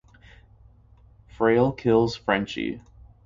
Frail kills Frenchy.